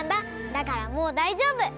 だからもうだいじょうぶ！